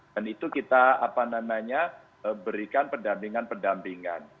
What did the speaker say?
dan itu kita apa namanya berikan pendampingan pendampingan